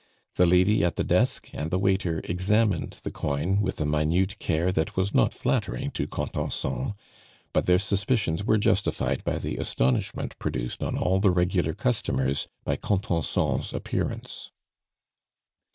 The lady at the desk and the waiter examined the coin with a minute care that was not flattering to Contenson; but their suspicions were justified by the astonishment produced on all the regular customers by Contenson's appearance.